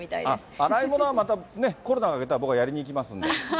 洗い物は、またコロナが明けたら、僕、やりに行きますんで。